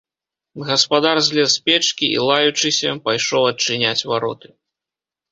Гаспадар злез з печкі і, лаючыся, пайшоў адчыняць вароты.